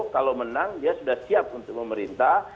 kalau menang dia sudah siap untuk memerintah